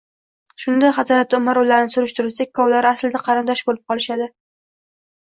Shunda Hazrati Umar ularni surishtirsa, ikkovlari aslida qarindosh chiqib qolishadi